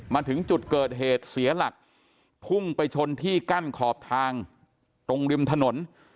มาถึงจุดเกิดเหตุเสียหลักพุ่งไปชนที่กั้นขอบทางตรงริมถนน